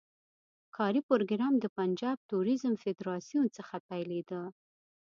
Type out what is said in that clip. کاري پروګرام د پنجاب توریزم فدراسیون څخه پیلېده.